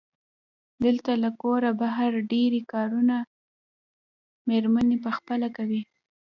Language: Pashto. دلته له کوره بهر ډېری کارونه مېرمنې پخپله کوي.